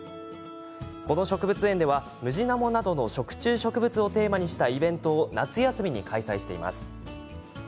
この植物園ではムジナモなどの食虫植物をテーマにしたイベントを夏休みに開催。